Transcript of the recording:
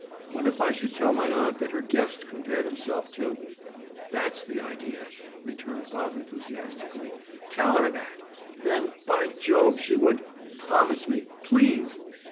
"What if I should tell my aunt that her guest compared himself to—?" "That's the idea!" returned Bob enthusiastically. "Tell her that! Then, by jove, she would—Promise me! Please!"